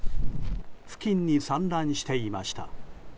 付近に散乱していました。